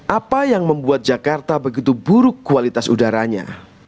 apa yang membuat jakarta begitu buruk kualitas udaranya